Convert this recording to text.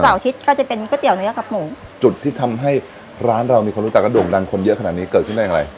อาทิตย์ก็จะเป็นก๋วยเตี๋ยวเนื้อกับหมูจุดที่ทำให้ร้านเรามีความรู้จักและโด่งดังคนเยอะขนาดนี้เกิดขึ้นได้อย่างไร